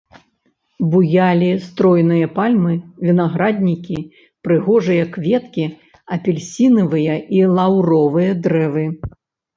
Буялі стройныя пальмы, вінаграднікі, прыгожыя кветкі, апельсінавыя і лаўровыя дрэвы.